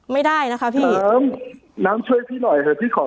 ไม่ได้นะคะพี่น้ำช่วยพี่หน่อยค่ะพี่ขอร้อง